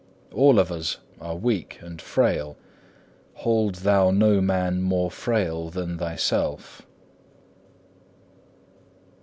All of us are weak and frail; hold thou no man more frail than thyself.